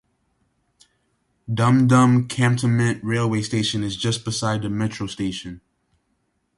Dum Dum Cantonment railway station is just beside the metro station.